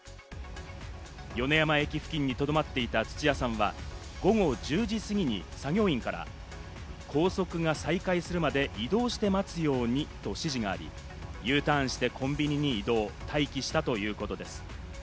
米山駅付近にとどまっていた土屋さんは午後１０時過ぎに作業員から高速が再開するまで移動して待つようにと指示があり、Ｕターンしてコンビニに移動、待機したということです。